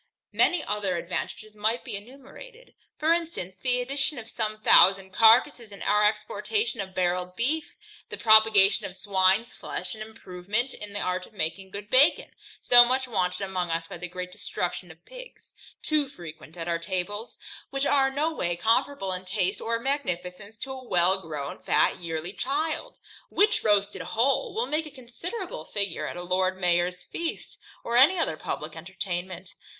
Many other advantages might be enumerated. For instance, the addition of some thousand carcasses in our exportation of barrel'd beef: the propagation of swine's flesh, and improvement in the art of making good bacon, so much wanted among us by the great destruction of pigs, too frequent at our tables; which are no way comparable in taste or magnificence to a well grown, fat yearling child, which roasted whole will make a considerable figure at a Lord Mayor's feast, or any other publick entertainment.